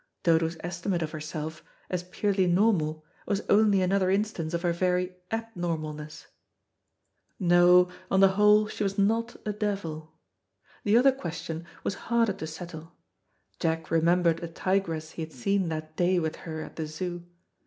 Dodo's estimate of herself, as purely normal, was only another instance of her very abnormalness. No, on the whole, she was not a devil. The other question was harder to settle. Jack remembered a tigress he had seen that day with her at the Zoo.